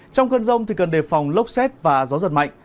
trong cơn rông cần đề phòng lốc xét và gió giật mạnh